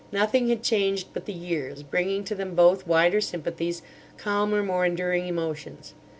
Nothing had changed but the years, bringing to them both wider sympathies, calmer, more enduring emotions.